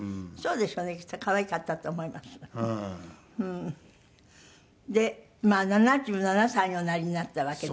でまあ７７歳におなりになったわけで。